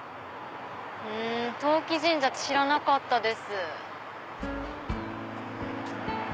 陶器神社って知らなかったです。